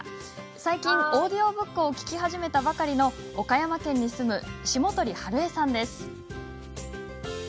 最近、オーディオブックを聞き始めたばかりの岡山県に住む下鳥春恵さんです。